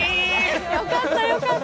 よかった、よかった。